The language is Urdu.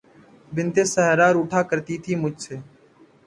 بنت صحرا روٹھا کرتی تھی مجھ سے